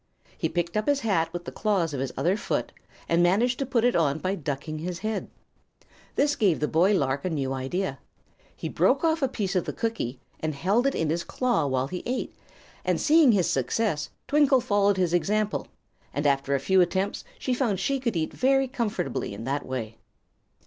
He picked up his hat with the claws of his other foot and managed to put it on by ducking his head. This gave the boy lark a new idea. He broke off a piece of the cookie and held it in his claw while he ate it; and seeing his success Twinkle followed his example, and after a few attempts found she could eat very comfortably in that way.